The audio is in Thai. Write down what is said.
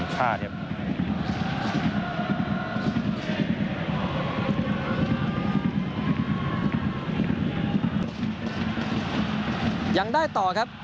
จะอย่างได้ต่อครับ